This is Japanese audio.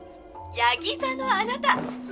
山羊座のあなた。